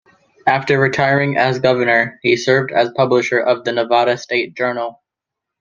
After retiring as governor, he served as publisher of the Nevada State Journal.